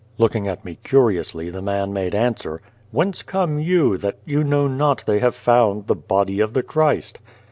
Looking at me curiously, the man made answer, "Whence come you, that you know not they have found the body of the Christ